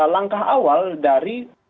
langkah awal dari